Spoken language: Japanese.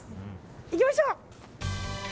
行きましょう！